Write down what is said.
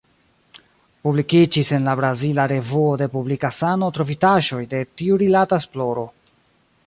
Publikiĝis en la brazila Revuo de Publika Sano trovitaĵoj de tiurilata esploro.